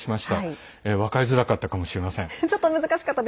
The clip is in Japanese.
分かりづらかったかもしれません。